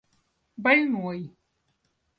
больной